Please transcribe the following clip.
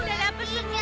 gini dengan ibu